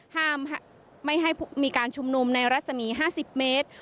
ห้ามไม่ให้มีการชุมนุมในรัศมี๕๐เมตร